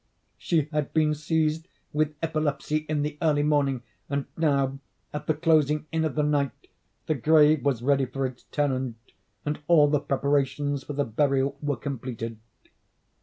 She had been seized with epilepsy in the early morning, and now, at the closing in of the night, the grave was ready for its tenant, and all the preparations for the burial were completed.